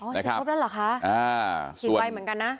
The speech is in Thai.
ใช่ครบแล้วเหรอคะฉีดไวเหมือนกันนะ